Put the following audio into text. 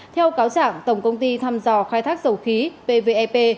theo cáo trạng tổng công ty thăm dò khai thác dầu khí pvep